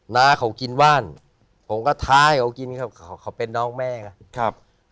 น้าเขากินว่านผมก็ท้าให้เขากินเขาเป็นน้องแม่ค่ะ